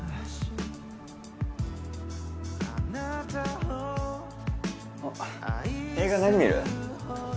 あっ映画何見る？